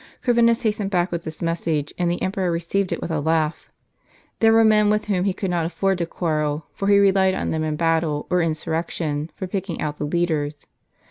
Corvinus hastened back with this message, and the emperor received it with a laugh. They were men with whom he could not afford to quarrel; for he relied on them in battle, or insurrection, for picking out the leaders.